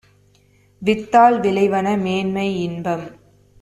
வித்தால் விளைவன மேன்மை, இன்பம்!